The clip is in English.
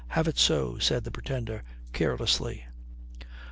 Have it so," said the Pretender carelessly.